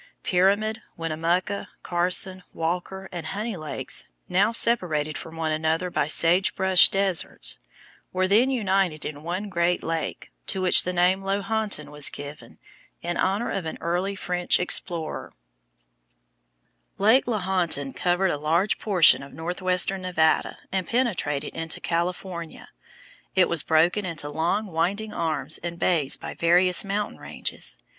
Pyramid, Winnemucca, Carson, Walker, and Honey lakes, now separated from one another by sagebrush deserts, were then united in one great lake, to which the name Lahontan has been given, in honor of an early French explorer. [Illustration: FIG. 42. MONO LAKE, CALIFORNIA] Lake Lahontan covered a large portion of northwestern Nevada and penetrated into California. It was broken into long winding arms and bays by various mountain ranges.